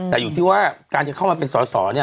แต่อยู่ที่ว่าการจะเข้ามาเป็นสอสอ